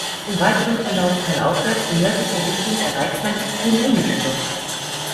Im weiteren Verlauf talaufwärts in nördlicher Richtung erreicht man die Prunelli-Schlucht.